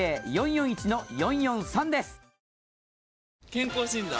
健康診断？